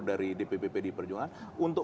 dari dpp pdi perjuangan untuk